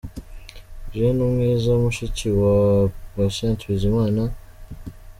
Jeannine Umwiza mushiki wa Patient Bizimana.